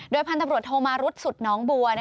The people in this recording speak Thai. พันธุ์ตำรวจโทมารุธสุดน้องบัว